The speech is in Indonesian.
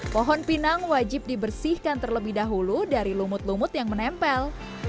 pohon pinang wajib dibersihkan terlebih dahulu dari lumut lumut yang menempel